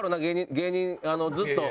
芸人ずっと。